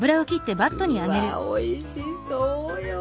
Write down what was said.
うわおいしそうよ。